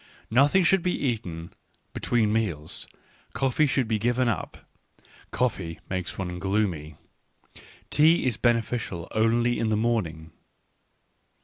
Nothing should be eaten be tween meals, coffee should be given up — coffee makes one gloomy. Tea is beneficial only in the morning.